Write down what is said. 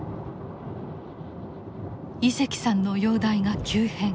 井関さんの容体が急変。